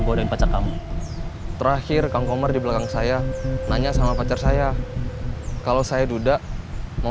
godain pacar kamu terakhir kang komar di belakang saya nanya sama pacar saya kalau saya duda mau